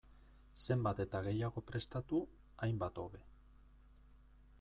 Zenbat eta gehiago prestatu, hainbat hobe.